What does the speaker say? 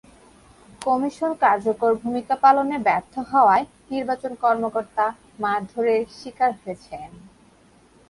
Commission কার্যকর ভূমিকা পালনে ব্যর্থ হওয়ায় নির্বাচন কর্মকর্তা মারধরের শিকার হয়েছেন।